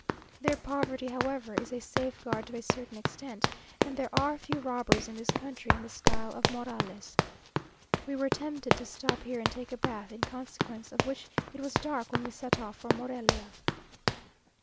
Their poverty, however, is a safeguard to a certain extent, and there are few robbers in this country in the style of Morales. We were tempted to stop here and take a bath, in consequence of which it was dark when we set off for Morelia.